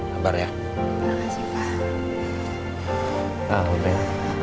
terima kasih pak